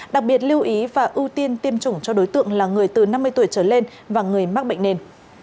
đặc biệt lưu ý và ưu tiên tiêm chủng cho đối tượng là người từ năm mươi tuổi trở lên và người mắc bệnh nền